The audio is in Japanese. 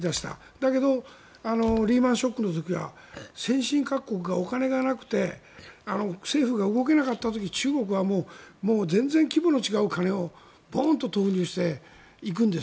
だけどリーマン・ショックの時は先進各国がお金がなくて政府が動けなかった時中国は全然規模の違う金をポーンと投入していくんです。